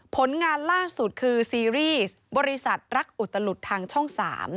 ผลงานล่าสุดคือซีรีส์บริษัทรักอุตลุดทางช่อง๓